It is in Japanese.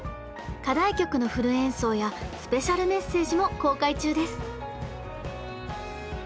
課題曲のフル演奏やスペシャルメッセージも公開中です！